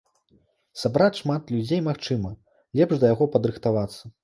Сабраць шмат людзей, магчыма, лепш да яго падрыхтавацца.